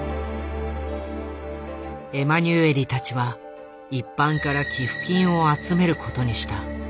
エマニュエリたちは一般から寄付金を集めることにした。